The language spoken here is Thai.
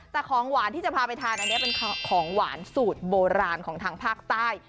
แต่ของหวานที่จะพาไปทานอันนี้เป็นของหวานสูตรโบราณของทางภาคใต้